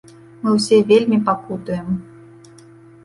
Мы ўсе вельмі пакутуем.